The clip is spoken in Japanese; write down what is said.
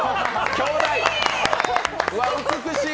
きょうだい！